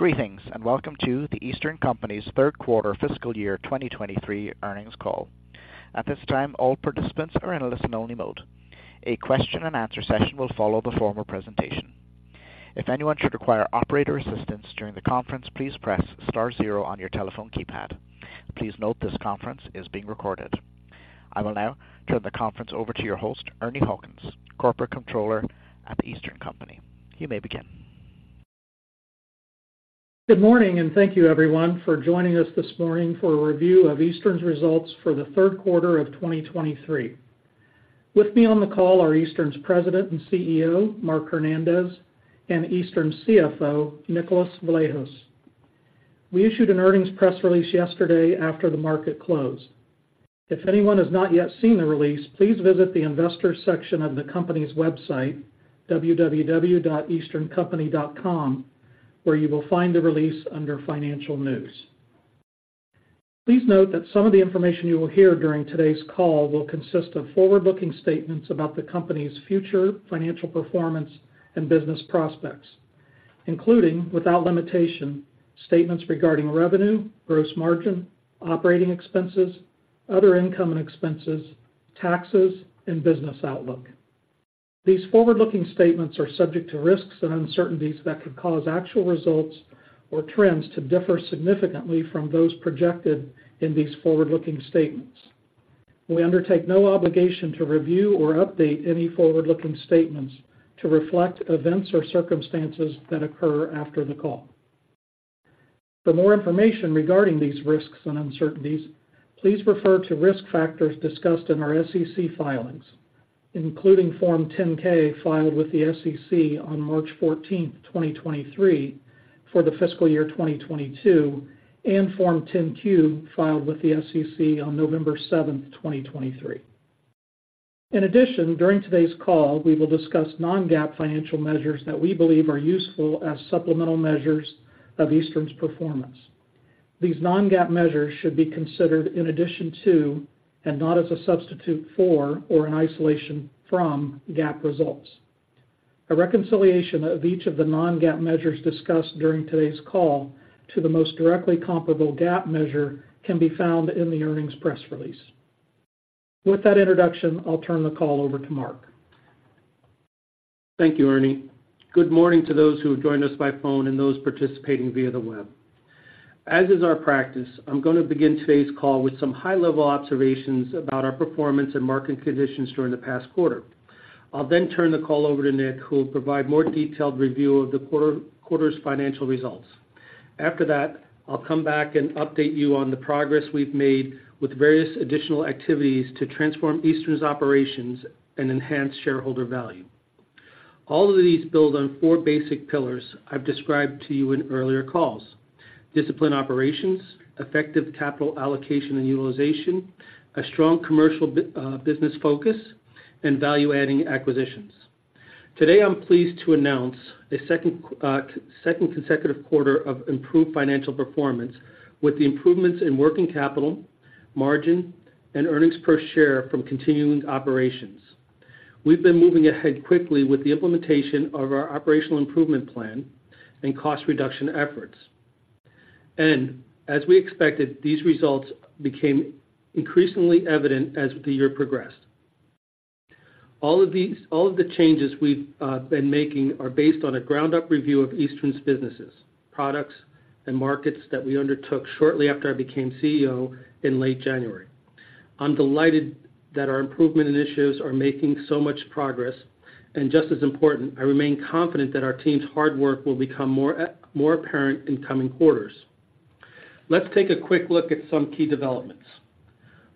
Greetings, and welcome to The Eastern Company's Q3 Fiscal Year 2023 Earnings Call. At this time, all participants are in a listen-only mode. A question-and-answer session will follow the formal presentation. If anyone should require operator assistance during the conference, please press star zero on your telephone keypad. Please note this conference is being recorded. I will now turn the conference over to your host, Ernie Hawkins, Corporate Controller at The Eastern Company. You may begin. Good morning, and thank you everyone for joining us this morning for a review of Eastern's results for the Q3 of 2023. With me on the call are Eastern's President and CEO, Mark Hernandez, and Eastern's CFO, Nicholas Vlahos. We issued an earnings press release yesterday after the market closed. If anyone has not yet seen the release, please visit the investors section of the company's website, www.easterncompany.com, where you will find the release under Financial News. Please note that some of the information you will hear during today's call will consist of forward-looking statements about the company's future financial performance and business prospects, including, without limitation, statements regarding revenue, gross margin, operating expenses, other income and expenses, taxes, and business outlook. These forward-looking statements are subject to risks and uncertainties that could cause actual results or trends to differ significantly from those projected in these forward-looking statements. We undertake no obligation to review or update any forward-looking statements to reflect events or circumstances that occur after the call. For more information regarding these risks and uncertainties, please refer to risk factors discussed in our SEC filings, including Form 10-K, filed with the SEC on March 14, 2023, for the fiscal year 2022, and Form 10-Q, filed with the SEC on November 7, 2023. In addition, during today's call, we will discuss non-GAAP financial measures that we believe are useful as supplemental measures of Eastern's performance. These non-GAAP measures should be considered in addition to, and not as a substitute for, or in isolation from GAAP results. A reconciliation of each of the non-GAAP measures discussed during today's call to the most directly comparable GAAP measure can be found in the earnings press release. With that introduction, I'll turn the call over to Mark. Thank you, Ernie. Good morning to those who have joined us by phone and those participating via the web. As is our practice, I'm going to begin today's call with some high-level observations about our performance and market conditions during the past quarter. I'll then turn the call over to Nick, who will provide more detailed review of the quarter's financial results. After that, I'll come back and update you on the progress we've made with various additional activities to transform Eastern's operations and enhance shareholder value. All of these build on four basic pillars I've described to you in earlier calls: disciplined operations, effective capital allocation and utilization, a strong commercial business focus, and value-adding acquisitions. Today, I'm pleased to announce a second consecutive quarter of improved financial performance with the improvements in working capital, margin, and earnings per share from continuing operations. We've been moving ahead quickly with the implementation of our operational improvement plan and cost reduction efforts. As we expected, these results became increasingly evident as the year progressed. All of the changes we've been making are based on a ground-up review of Eastern's businesses, products, and markets that we undertook shortly after I became CEO in late January. I'm delighted that our improvement initiatives are making so much progress, and just as important, I remain confident that our team's hard work will become more apparent in coming quarters. Let's take a quick look at some key developments.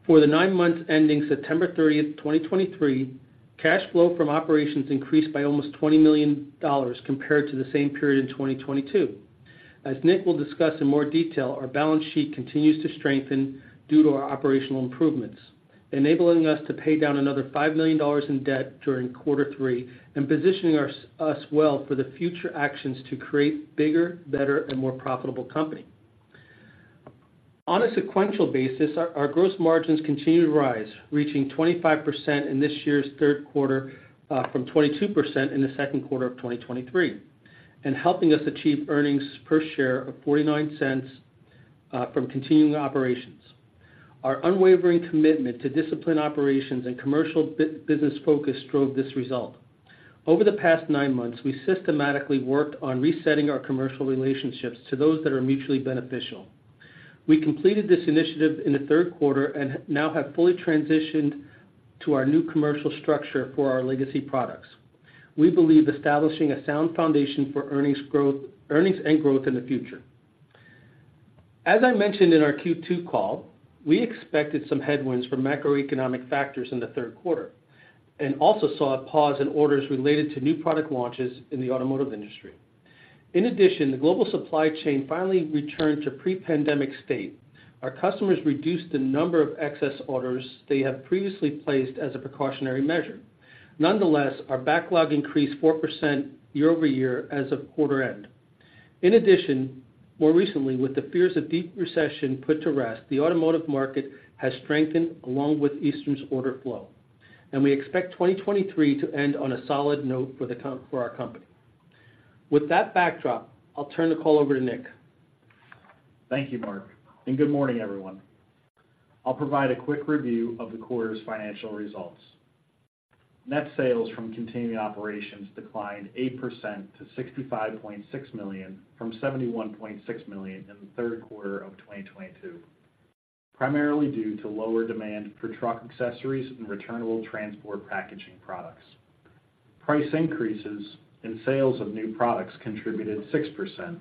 For the nine months ending September 30, 2023, cash flow from operations increased by almost $20 million compared to the same period in 2022. As Nick will discuss in more detail, our balance sheet continues to strengthen due to our operational improvements, enabling us to pay down another $5 million in debt during quarter three and positioning us well for the future actions to create bigger, better, and more profitable company. On a sequential basis, our gross margins continued to rise, reaching 25% in this year's Q3, from 22% in the Q2 of 2023, and helping us achieve earnings per share of $0.49 from continuing operations. Our unwavering commitment to discipline operations and commercial business focus drove this result. Over the past nine months, we systematically worked on resetting our commercial relationships to those that are mutually beneficial. We completed this initiative in the Q3 and now have fully transitioned to our new commercial structure for our legacy products. We believe establishing a sound foundation for earnings, growth, earnings, and growth in the future. As I mentioned in our Q2 call, we expected some headwinds from macroeconomic factors in the Q3 and also saw a pause in orders related to new product launches in the automotive industry. In addition, the global supply chain finally returned to pre-pandemic state. Our customers reduced the number of excess orders they had previously placed as a precautionary measure. Nonetheless, our backlog increased 4% year-over-year as of quarter end. In addition, more recently, with the fears of deep recession put to rest, the automotive market has strengthened along with Eastern's order flow and we expect 2023 to end on a solid note for our company. With that backdrop, I'll turn the call over to Nick. Thank you, Mark, and good morning, everyone. I'll provide a quick review of the quarter's financial results. Net sales from continuing operations declined 8% to $65.6 million, from $71.6 million in the Q3 of 2022, primarily due to lower demand for truck accessories and returnable transport packaging products. Price increases and sales of new products contributed 6%.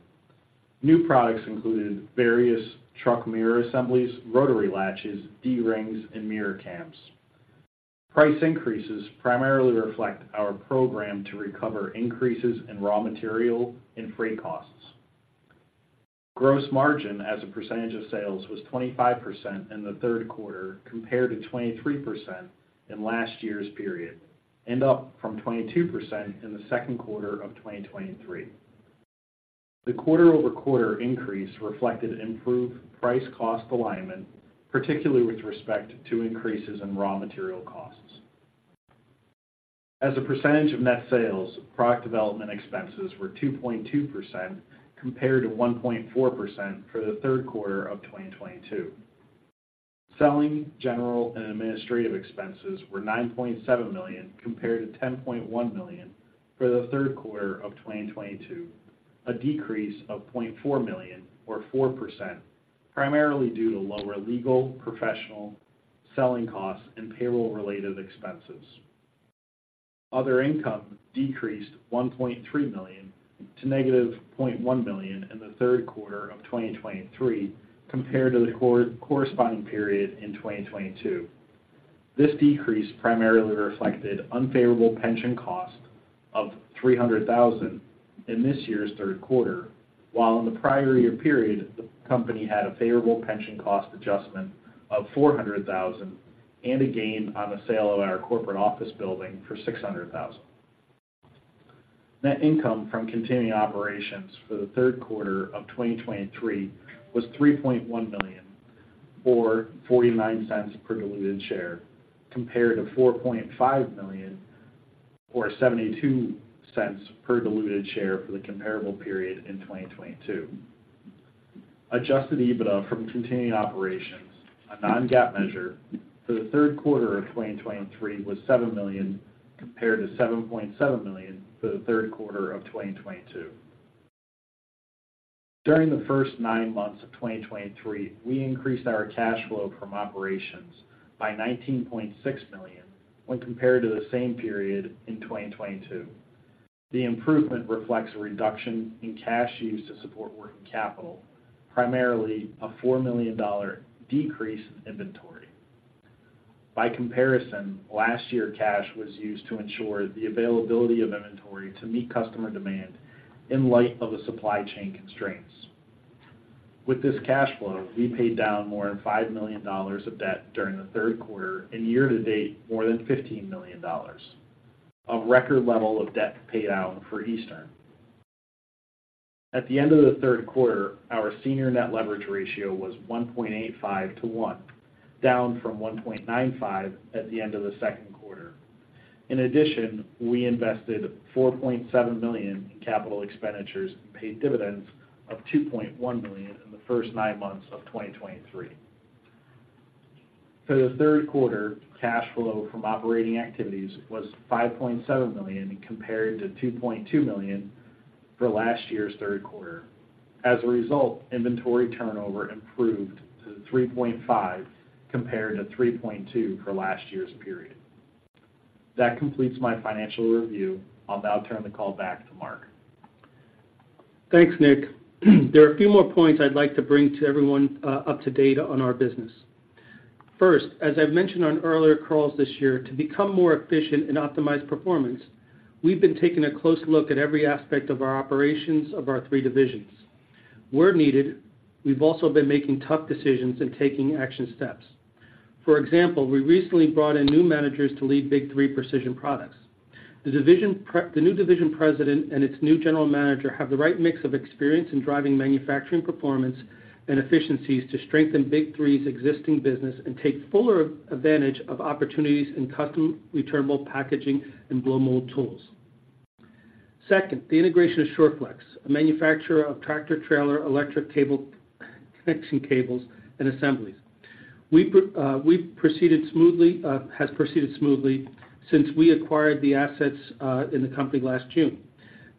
New products included various truck mirror assemblies, rotary latches, D-rings, and mirror cams. Price increases primarily reflect our program to recover increases in raw material and freight costs. Gross margin as a percentage of sales was 25% in the Q3, compared to 23% in last year's period, and up from 22% in the Q2 of 2023. The quarter-over-quarter increase reflected improved price cost alignment, particularly with respect to increases in raw material costs. As a percentage of net sales, product development expenses were 2.2%, compared to 1.4% for the Q3 of 2022. Selling, general, and administrative expenses were $9.7 million, compared to $10.1 million for the Q3 of 2022, a decrease of $0.4 million or 4%, primarily due to lower legal, professional, selling costs, and payroll-related expenses. Other income decreased $1.3 to -$0.1 million in the Q3 of 2023, compared to the corresponding period in 2022. This decrease primarily reflected unfavorable pension cost of $300,000 in this year's Q3, while in the prior year period, the company had a favorable pension cost adjustment of $400,000 and a gain on the sale of our corporate office building for $600,000. Net income from continuing operations for the Q3 of 2023 was $3.1 million, or $0.49 per diluted share, compared to $4.5 million, or $0.72 per diluted share for the comparable period in 2022. Adjusted EBITDA from continuing operations, a non-GAAP measure for the Q3 of 2023, was $7 million, compared to $7.7 million for the Q3 of 2022. During the first nine months of 2023, we increased our cash flow from operations by $19.6 million when compared to the same period in 2022. The improvement reflects a reduction in cash used to support working capital, primarily a $4 million decrease in inventory. By comparison, last year, cash was used to ensure the availability of inventory to meet customer demand in light of the supply chain constraints. With this cash flow, we paid down more than $5 million of debt during the Q3, and year to date, more than $15 million, a record level of debt paid out for Eastern. At the end of the Q3, our senior net leverage ratio was 1.85 to 1, down from 1.95 at the end of the second quarter. In addition, we invested $4.7 million in capital expenditures and paid dividends of $2.1 million in the first nine months of 2023. For the Q3, cash flow from operating activities was $5.7 million, compared to $2.2 million for last year's Q3. As a result, inventory turnover improved to 3.5, compared to 3.2 for last year's period. That completes my financial review. I'll now turn the call back to Mark. Thanks, Nick. There are a few more points I'd like to bring to everyone up to date on our business. First, as I've mentioned on earlier calls this year, to become more efficient and optimize performance, we've been taking a close look at every aspect of our operations of our three divisions. Where needed, we've also been making tough decisions and taking action steps. For example, we recently brought in new managers to lead Big 3 Precision. The new division president and its new general manager have the right mix of experience in driving manufacturing performance and efficiencies to strengthen Big 3's existing business and take fuller advantage of opportunities in custom returnable packaging and blow mold tools. Second, the integration of Sure-Flex, a manufacturer of tractor-trailer electric cable connection cables and assemblies. We've proceeded smoothly since we acquired the assets in the company last June.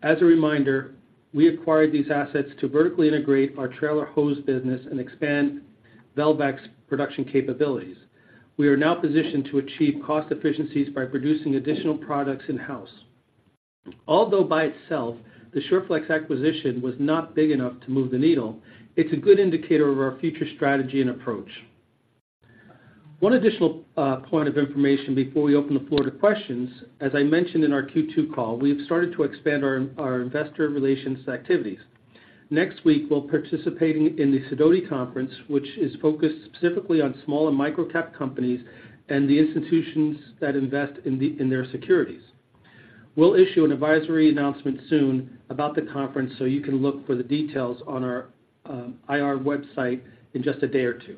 As a reminder, we acquired these assets to vertically integrate our trailer hose business and expand Velvac's production capabilities. We are now positioned to achieve cost efficiencies by producing additional products in-house. Although by itself, the Sure-Flex acquisition was not big enough to move the needle, it's a good indicator of our future strategy and approach. One additional point of information before we open the floor to questions. As I mentioned in our Q2 call, we have started to expand our investor relations activities. Next week, we'll participating in the Sidoti Conference, which is focused specifically on small and micro-cap companies and the institutions that invest in their securities. We'll issue an advisory announcement soon about the conference, so you can look for the details on our IR website in just a day or two.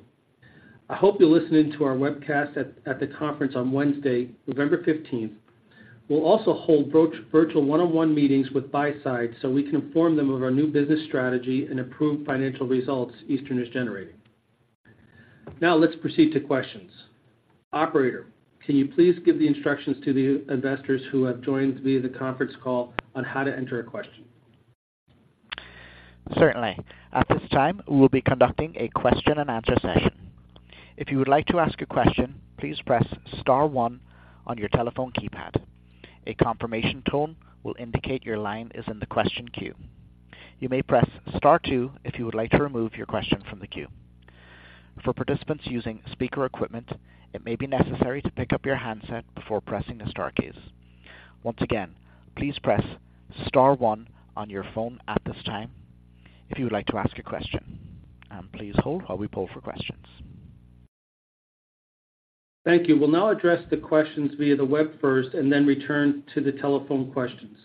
I hope you'll listen in to our webcast at the conference on Wednesday, November fifteenth. We'll also hold virtual one-on-one meetings with buy side, so we can inform them of our new business strategy and approved financial results Eastern is generating. Now, let's proceed to questions. Operator, can you please give the instructions to the investors who have joined via the conference call on how to enter a question? Certainly. At this time, we will be conducting a question and answer session. If you would like to ask a question, please press star one on your telephone keypad. A confirmation tone will indicate your line is in the question queue. You may press star two if you would like to remove your question from the queue. For participants using speaker equipment, it may be necessary to pick up your handset before pressing the star keys. Once again, please press star one on your phone at this time if you would like to ask a question. And please hold while we pull for questions. Thank you. We'll now address the questions via the web first and then return to the telephone questions.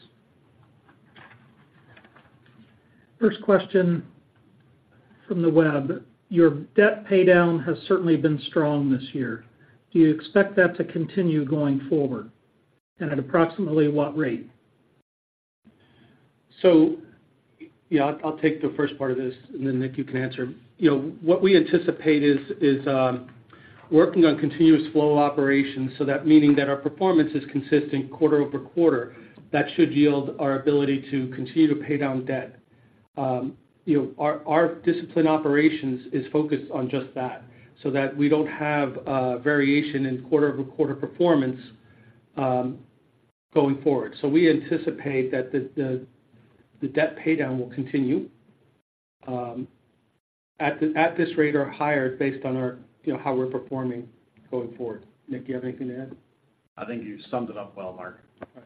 First question from the web: Your debt paydown has certainly been strong this year. Do you expect that to continue going forward, and at approximately what rate? So, yeah, I'll take the first part of this, and then, Nick, you can answer. You know, what we anticipate is working on continuous flow operations, so that meaning that our performance is consistent quarter-over-quarter. That should yield our ability to continue to pay down debt. You know, our discipline operations is focused on just that, so that we don't have a variation in quarter-over-quarter performance, going forward. So we anticipate that the debt paydown will continue at this rate or higher, based on our, you know, how we're performing going forward. Nick, do you have anything to add? I think you summed it up well, Mark. All right.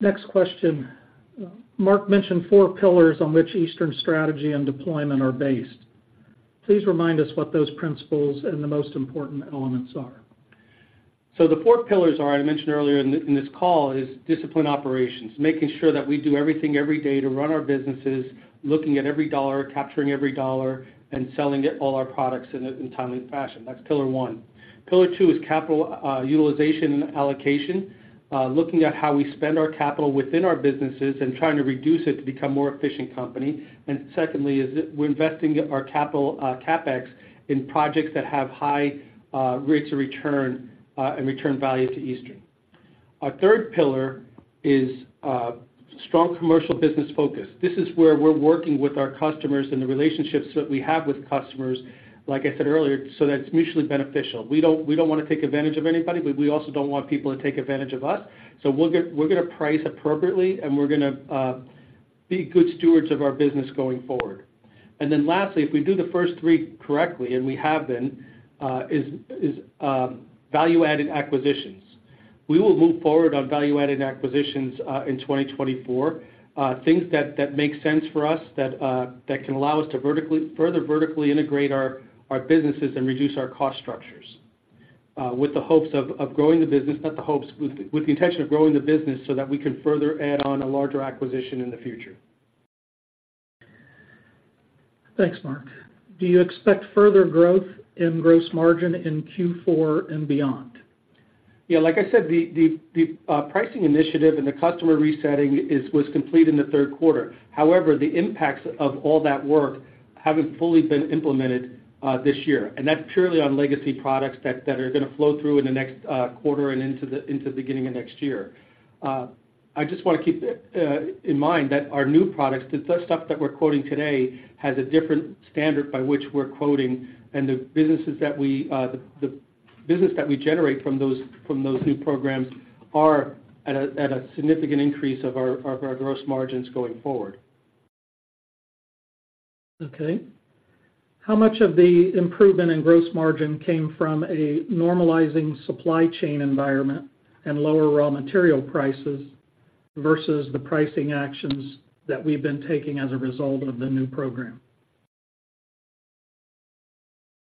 Next question. Mark mentioned four pillars on which Eastern's strategy and deployment are based. Please remind us what those principles and the most important elements are? So the four pillars are. I mentioned earlier in this call is disciplined operations, making sure that we do everything every day to run our businesses, looking at every dollar, capturing every dollar, and selling it all our products in a timely fashion. That's pillar one. Pillar two is capital utilization and allocation. Looking at how we spend our capital within our businesses and trying to reduce it to become more efficient company. And secondly, we're investing our capital CapEx in projects that have high rates of return and return value to Eastern. Our third pillar is a strong commercial business focus. This is where we're working with our customers and the relationships that we have with customers, like I said earlier, so that it's mutually beneficial. We don't wanna take advantage of anybody, but we also don't want people to take advantage of us. So we'll get. We're gonna price appropriately and we're gonna be good stewards of our business going forward. And then lastly, if we do the first three correctly, and we have been, value-added acquisitions. We will move forward on value-added acquisitions in 2024. Things that make sense for us, that can allow us to vertically, further vertically integrate our businesses and reduce our cost structures, with the hopes of growing the business, not the hopes, with the intention of growing the business so that we can further add on a larger acquisition in the future. Thanks, Mark. Do you expect further growth in gross margin in Q4 and beyond? Yeah, like I said, the pricing initiative and the customer resetting is, was complete in the Q3. However, the impacts of all that work haven't fully been implemented this year, and that's purely on legacy products that are gonna flow through in the next quarter and into the beginning of next year. I just wanna keep in mind that our new products, the stuff that we're quoting today, has a different standard by which we're quoting, and the business that we generate from those new programs are at a significant increase of our gross margins going forward. Okay. How much of the improvement in gross margin came from a normalizing supply chain environment and lower raw material prices versus the pricing actions that we've been taking as a result of the new program?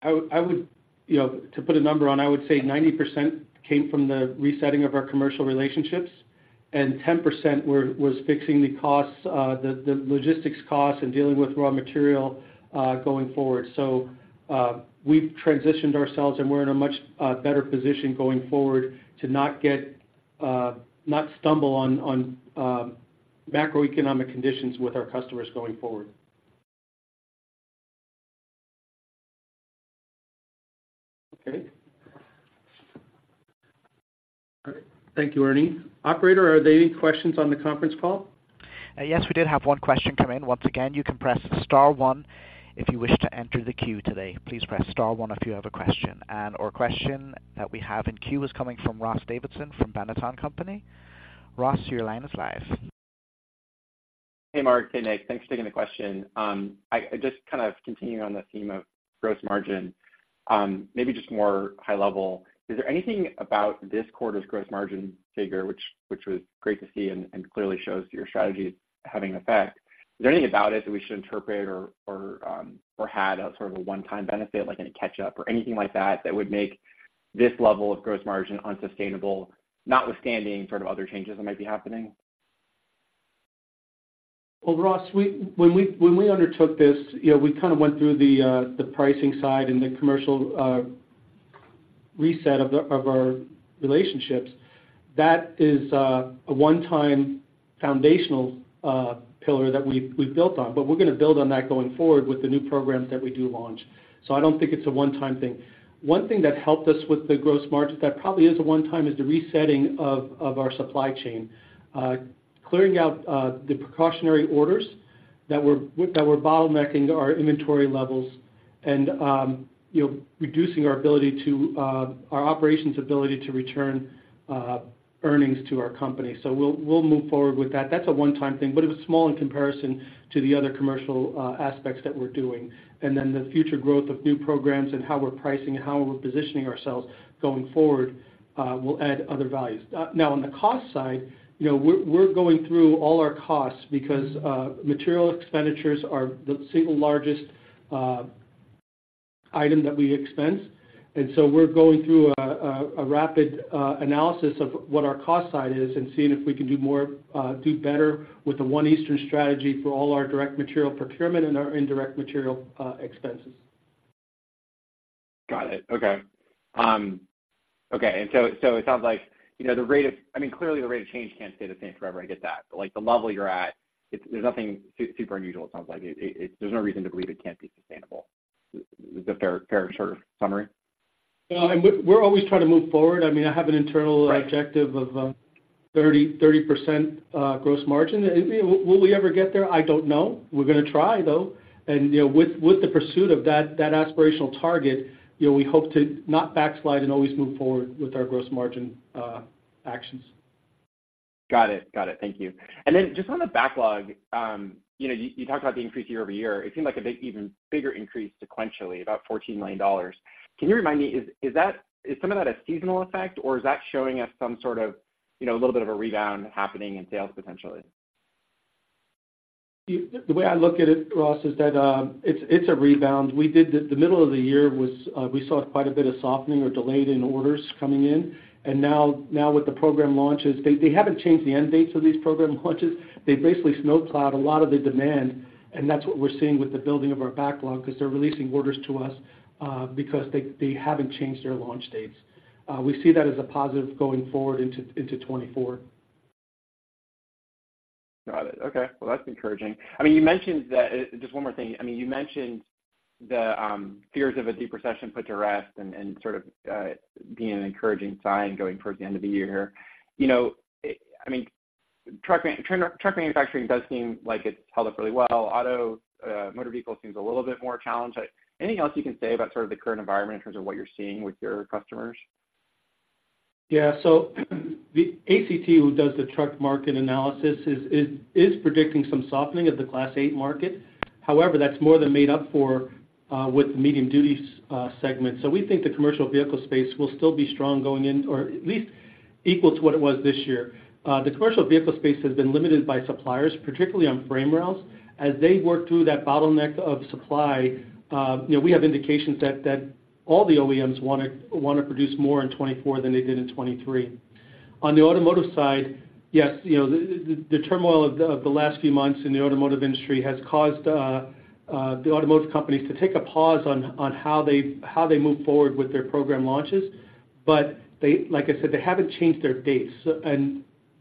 You know, to put a number on, I would say 90% came from the resetting of our commercial relationships, and 10% was fixing the costs, the logistics costs and dealing with raw material going forward. So, we've transitioned ourselves, and we're in a much better position going forward to not stumble on macroeconomic conditions with our customers going forward. Okay. Thank you, Ernie. Operator, are there any questions on the conference call? Yes, we did have one question come in. Once again, you can press star one if you wish to enter the queue today. Please press star one if you have a question. Our question that we have in queue is coming from Ross Davidson from Sutton View Capital. Ross, your line is live. Hey, Mark. Hey, Nick. Thanks for taking the question. I just kind of continuing on the theme of gross margin, maybe just more high level. Is there anything about this quarter's gross margin figure, which was great to see and clearly shows your strategy is having an effect? Is there anything about it that we should interpret or had a sort of a one-time benefit, like any catch-up or anything like that, that would make this level of gross margin unsustainable, notwithstanding sort of other changes that might be happening? Well, Ross, when we undertook this, you know, we kind of went through the pricing side and the commercial reset of our relationships. That is a one-time foundational pillar that we've built on, but we're gonna build on that going forward with the new programs that we do launch. So I don't think it's a one-time thing. One thing that helped us with the gross margin that probably is a one time is the resetting of our supply chain. Clearing out the precautionary orders that were bottlenecking our inventory levels and, you know, reducing our ability to our operations ability to return earnings to our company. So we'll move forward with that. That's a one-time thing, but it was small in comparison to the other commercial aspects that we're doing. And then the future growth of new programs and how we're pricing and how we're positioning ourselves going forward will add other values. Now, on the cost side, you know, we're going through all our costs because material expenditures are the single largest item that we expense. And so we're going through a rapid analysis of what our cost side is and seeing if we can do more, do better with the One Eastern strategy for all our direct material procurement and our indirect material expenses. Got it. Okay. Okay, and so it sounds like, you know, the rate I mean, clearly, the rate of change can't stay the same forever, I get that. But, like, the level you're at, it's there's nothing super unusual, it sounds like. It, there's no reason to believe it can't be sustainable. Is that fair sort of summary? No, and we're, we're always trying to move forward. I mean, I have an internal- Right Objective of 30, 30% gross margin. And, I mean, will we ever get there? I don't know. We're gonna try, though. And, you know, with, with the pursuit of that, that aspirational target, you know, we hope to not backslide and always move forward with our gross margin actions. Got it. Got it. Thank you. And then just on the backlog, you know, you talked about the increase year-over-year. It seemed like a big, even bigger increase sequentially, about $14 million. Can you remind me, is that some of that a seasonal effect, or is that showing us some sort of, you know, a little bit of a rebound happening in sales potentially? The way I look at it, Ross, is that it's a rebound. We did the middle of the year was we saw quite a bit of softening or delayed in orders coming in, and now with the program launches, they haven't changed the end dates of these program launches. They've basically snowplowed a lot of the demand, and that's what we're seeing with the building of our backlog, because they're releasing orders to us because they haven't changed their launch dates. We see that as a positive going forward into 2024. Got it. Okay. Well, that's encouraging. I mean, you mentioned that. Just one more thing. I mean, you mentioned the fears of a deep recession put to rest and sort of being an encouraging sign going towards the end of the year. You know, it, I mean, truck manufacturing does seem like it's held up really well. Auto motor vehicles seems a little bit more challenged. Anything else you can say about sort of the current environment in terms of what you're seeing with your customers? Yeah. So the ACT, who does the truck market analysis, is predicting some softening of the Class 8 market. However, that's more than made up for with the medium duty segment. So we think the commercial vehicle space will still be strong going in, or at least equal to what it was this year. The commercial vehicle space has been limited by suppliers, particularly on frame rails. As they work through that bottleneck of supply, you know, we have indications that all the OEMs wanna produce more in 2024 than they did in 2023. On the automotive side, yes, you know, the turmoil of the last few months in the automotive industry has caused the automotive companies to take a pause on how they move forward with their program launches. But they, like I said, they haven't changed their dates, so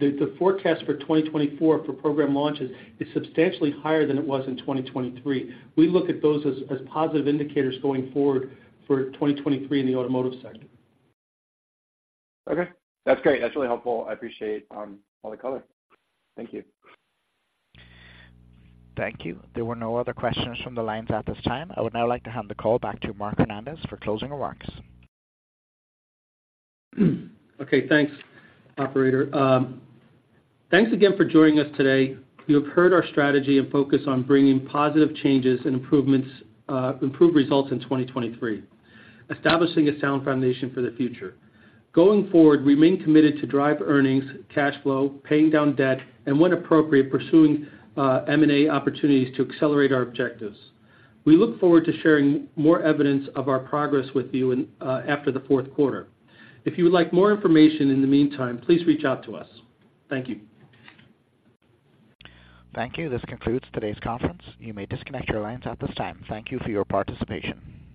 the forecast for 2024 for program launches is substantially higher than it was in 2023. We look at those as positive indicators going forward for 2023 in the automotive sector. Okay. That's great. That's really helpful. I appreciate all the color. Thank you. Thank you. There were no other questions from the lines at this time. I would now like to hand the call back to Mark Hernandez for closing remarks. Okay, thanks, operator. Thanks again for joining us today. You have heard our strategy and focus on bringing positive changes and improvements, improved results in 2023, establishing a sound foundation for the future. Going forward, we remain committed to drive earnings, cash flow, paying down debt, and when appropriate, pursuing M&A opportunities to accelerate our objectives. We look forward to sharing more evidence of our progress with you in after the Q4. If you would like more information in the meantime, please reach out to us. Thank you. Thank you. This concludes today's conference. You may disconnect your lines at this time. Thank you for your participation.